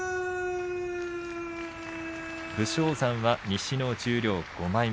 武将山は西の十両５枚目